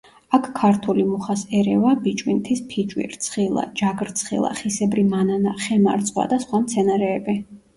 აქ ქართული მუხას ერევა ბიჭვინთის ფიჭვი, რცხილა, ჯაგრცხილა, ხისებრი მანანა, ხემარწყვა და სხვა მცენარეები.